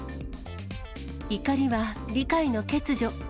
怒りは理解の欠如。